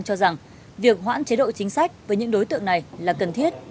cho rằng việc hoãn chế độ chính sách với những đối tượng này là cần thiết